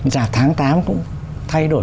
giả tháng tám cũng thay đổi